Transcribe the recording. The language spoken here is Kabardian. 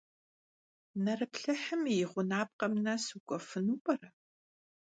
Nerıplhıhım yi ğunapkhem nes vuk'uefınu p'ere?